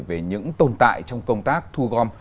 về những tồn tại trong công tác thu gom